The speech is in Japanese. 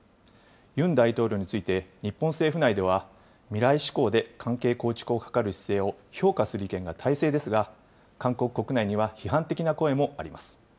ユン大統領について日本政府内では、未来志向で関係構築を図る姿勢を評価する意見が大勢ですが、韓国国内には批判的な声もあります。